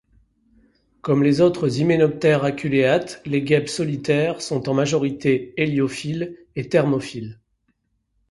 Comme les autres Hyménoptères aculéates, les Guêpes solitaires sont en majorité héliophiles et thermophiles.